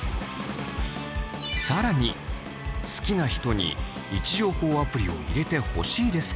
更に好きな人に位置情報アプリを入れてほしいですか？